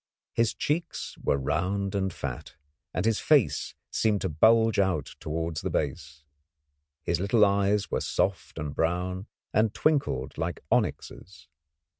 His cheeks were round and fat, and his face seemed to bulge out towards the base. His little eyes were soft and brown and twinkled like onyxes.